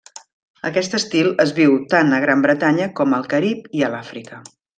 Aquest estil és viu tant a Gran Bretanya com al Carib i a l'Àfrica.